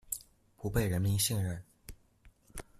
不被人民信任